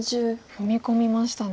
踏み込みましたね。